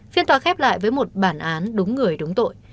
phiên tòa khép lại với một bản án đúng người đúng tội